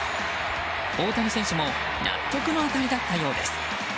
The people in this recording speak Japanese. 大谷選手も納得の当たりだったようです。